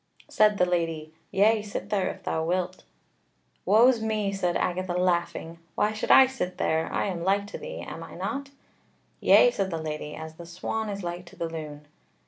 Said the Lady: "Yea, sit there if thou wilt." "Woe's me!" said Agatha laughing, "why should I sit there? I am like to thee, am I not?" "Yea," said the Lady, "as the swan is like to the loon."